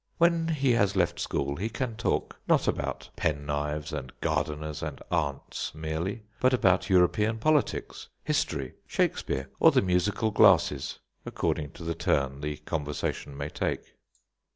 When he has left school he can talk, not about penknives and gardeners and aunts merely, but about European politics, history, Shakespeare, or the musical glasses, according to the turn the conversation may take.